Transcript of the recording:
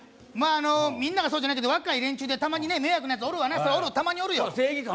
あのみんながそうじゃないけど若い連中でたまにね迷惑なやつおるわなそれおるたまにおるよ正義感